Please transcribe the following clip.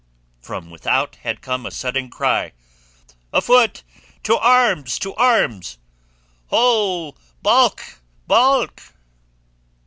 From without had come a sudden cry, "Afoot! To arms! To arms! Holâ! Balâk! Balâk!"